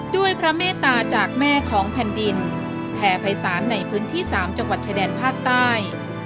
ด้วยพระเมตตาจากแม่ของแผ่นดินแผ่ภัยศาลในพื้นที่๓จังหวัดชายแดนภาคใต้